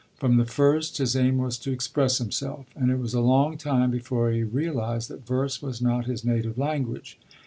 From the first his aim was to express himself; and it was a long time before he realised that verse was not his native language.